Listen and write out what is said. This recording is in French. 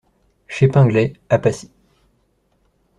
Chez Pinglet, à Passy.